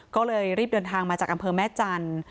ก็เลยรีบเดินทางมาจากอำเภอแม่จันทร์